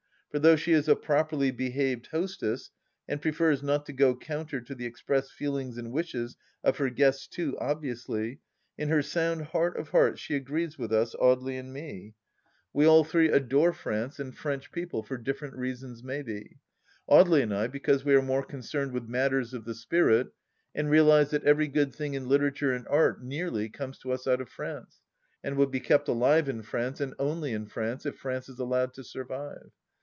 For though she is a properly behaved hostess, and prefers not to go counter to the ex pressed feelings and wishes of her guests too obviously, in her sound heart of hearts she agrees with us, Audely and me. 100 THE LAST DITCH We all three adore France and French people, for different reasons maybe. Audely and I because we are more con cerned with matters of the spirit, and realize that every good thing in Literature and Art, nearly, comes to us out of France, and will be kept alive in France and only in France, if France is allowed to survive.